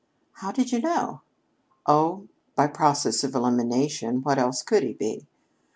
"How did you know?" "Oh, by process of elimination. What else could he be?"